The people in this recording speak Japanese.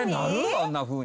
あんなふうに。